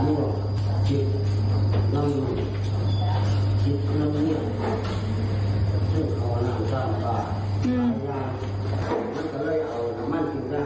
อือ